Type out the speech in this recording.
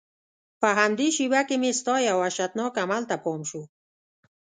په همدې شېبه کې مې ستا یو وحشتناک عمل ته پام شو.